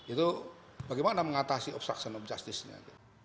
itu bagaimana mengatasi obstruction of justice nya